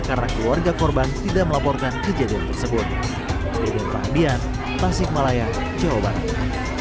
karena keluarga korban tidak melaporkan kejadian tersebut dengan paham biar pasik malaya jawabannya